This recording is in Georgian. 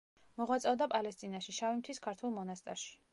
მოღვაწეობდა პალესტინაში, შავი მთის ქართულ მონასტერში.